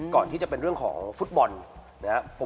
ก่อนที่จะเป็นเรื่องของฟุตบอลนะครับ